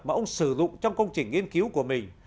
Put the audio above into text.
mà ông sử dụng trong công trình nghiên cứu của mình